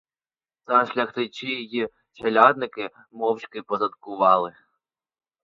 Та шляхтичі й челядники мовчки позадкували.